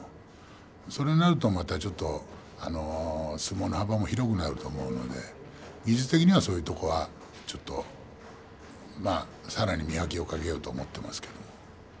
そうなると、やはり相撲の幅も広くなると思うので技術的にはそういうところはちょっとさらに磨きをかけようと思っています。